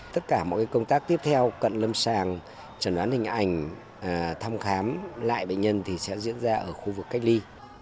tất cả mọi công tác tiếp theo cận lâm sàng trần đoán hình ảnh thăm khám lại bệnh nhân thì sẽ diễn ra ở khu vực cách ly